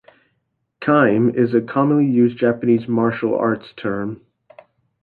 "Kime" is a commonly used Japanese martial arts term.